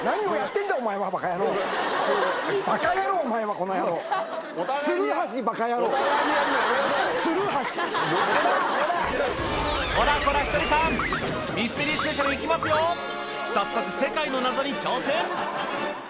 こらこらひとりさんミステリースペシャル行きますよ早速世界の謎に挑戦！